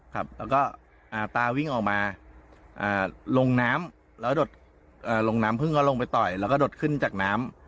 แล้วก็ตาวิ่งออกมาลงน้ำพึ่งก็ลงไปต่อยแล้วก็ดดขึ้นจากน้ำ